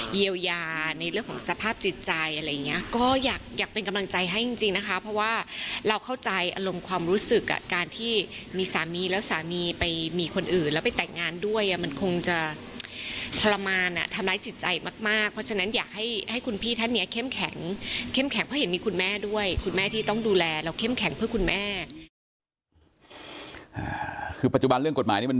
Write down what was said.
เยียวยาในเรื่องของสภาพจิตใจอะไรอย่างเงี้ยก็อยากอยากเป็นกำลังใจให้จริงจริงนะคะเพราะว่าเราเข้าใจอารมณ์ความรู้สึกอ่ะการที่มีสามีแล้วสามีไปมีคนอื่นแล้วไปแต่งงานด้วยอ่ะมันคงจะทรมานอ่ะทำร้ายจิตใจมากมากเพราะฉะนั้นอยากให้ให้คุณพี่ท่านเนี้ยเข้มแข็งเข้มแข็งเพราะเห็นมีคุณแม่ด้วยคุณแม่ที่ต้องดูแลเราเข้มแข็งเพื่อคุณแม่